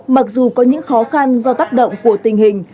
mặc dù có những khó khăn do tác động của tình hình